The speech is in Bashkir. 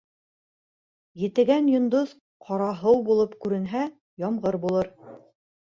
Етегән йондоҙ ҡараһыу булып күренһә, ямғыр булыр.